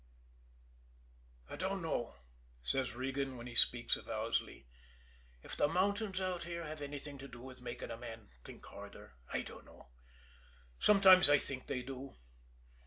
"I dunno," says Regan, when he speaks of Owsley, "if the mountains out here have anything to do with making a man think harder. I dunno sometimes I think they do.